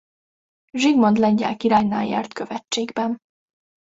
Zsigmond lengyel királynál járt követségben.